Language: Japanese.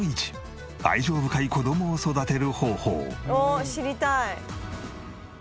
おっ知りたい。